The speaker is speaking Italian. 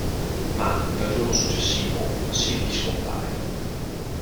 Ma, dal giorno successivo, Sylvie scompare.